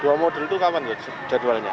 dua modul itu kapan jadwalnya